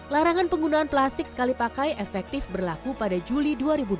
larangan penggunaan plastik sekali pakai efektif berlaku pada juli dua ribu dua puluh